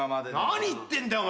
何言ってんだよ。